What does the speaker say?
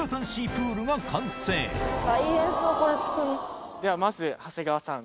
プールが完成ではまず長谷川さん